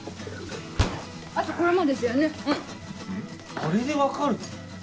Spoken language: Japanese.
「あれ」で分かるの？